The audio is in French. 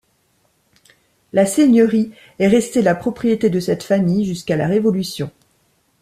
La seigneurie est restée la propriété de cette famille jusqu'à la Révolution.